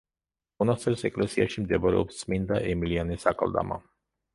მონასტრის ეკლესიაში მდებარეობს წმინდა ემილიანეს აკლდამა.